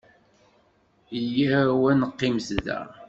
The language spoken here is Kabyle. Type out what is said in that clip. Yya-w ad neqqimet da.